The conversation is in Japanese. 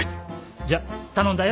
じゃ頼んだよ。